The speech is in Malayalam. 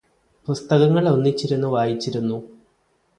പുസ്തകങ്ങള് ഒന്നിച്ചിരുന്ന് വായിച്ചിരുന്നു